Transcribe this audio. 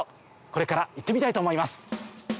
これから行ってみたいと思います。